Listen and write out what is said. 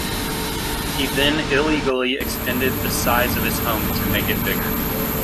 He then illegally extended the size of his home to make it bigger.